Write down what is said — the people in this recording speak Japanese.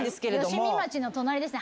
吉見町の隣ですね。